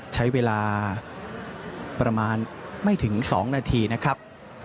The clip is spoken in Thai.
ใช้เวลาประมาณไม่ที่สิ้นนะครับ